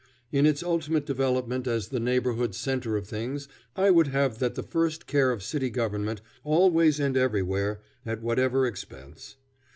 In its ultimate development as the neighborhood centre of things, I would have that the first care of city government, always and everywhere, at whatever expense.